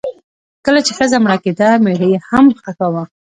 کله چې ښځه مړه کیده میړه یې هم خښاوه.